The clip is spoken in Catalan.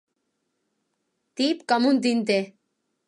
Tip com un tinter.